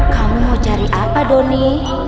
kamu mau cari apa doni